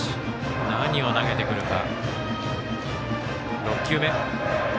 何を投げてくるか。